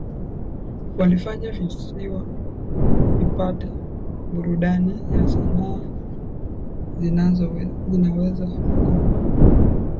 Walifanya visiwa vipate burudani ya sanaa zinaweza kukoma